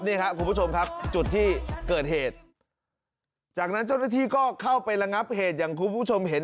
นี่ครับคุณผู้ชมครับจุดที่เกิดเหตุจากนั้นเจ้าหน้าที่ก็เข้าไประงับเหตุอย่างคุณผู้ชมเห็น